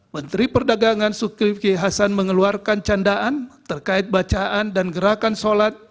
menteri perdagangan zulkifli hasan mengeluarkan candaan terkait bacaan dan gerakan sholat